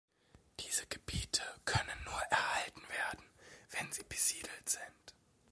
Diese Gebiete können nur erhalten werden, wenn sie besiedelt sind.